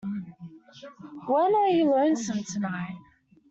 When Are You Lonesome Tonight?